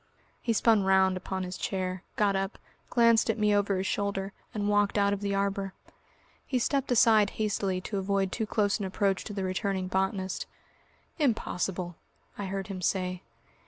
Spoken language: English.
He spun round upon his chair, got up, glanced at me over his shoulder, and walked out of the arbour. He stepped aside hastily to avoid too close an approach to the returning botanist. "Impossible," I heard him say.